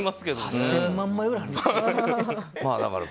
８０００万枚くらいありますからね。